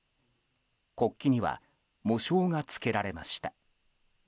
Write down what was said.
国旗には喪章がつけられました。